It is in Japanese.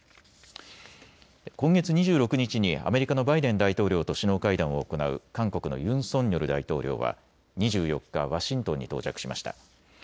今月２６日にアメリカのバイデン大統領と首脳会談を行う韓国のユン・ソンニョル大統領は２４日、ワシントンに到着しました。